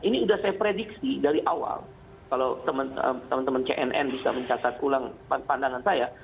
ini sudah saya prediksi dari awal kalau teman teman cnn bisa mencatat ulang pandangan saya